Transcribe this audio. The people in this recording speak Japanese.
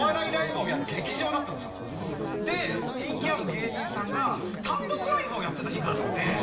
で人気ある芸人さんが単独ライブをやってた日があって。